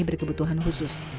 dan kebutuhan khusus